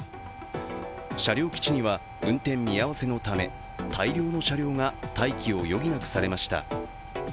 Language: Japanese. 車両基地には運転見合わせのため大量の車両が待機を余儀なくされました。